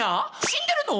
死んでるの？